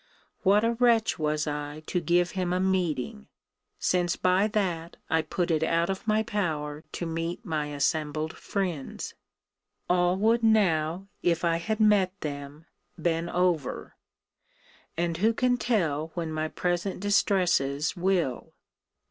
What a wretch was I to give him a meeting, since by that I put it out of my power to meet my assembled friends! All would now, if I had met them, been over; and who can tell when my present distresses will?